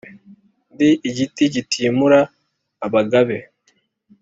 Ndi igiti kitimura abagabe